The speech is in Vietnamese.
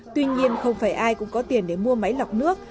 tuy nhiên không phải ai cũng có tiền để mua máy lọc nước